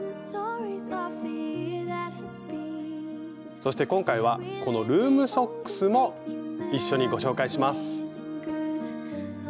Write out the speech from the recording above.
そして今回はこのルームソックスも一緒にご紹介します。